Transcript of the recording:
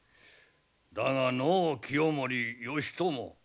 だがの清盛義朝